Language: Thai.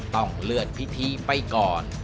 ต้องเลื่อนพิธีไปก่อน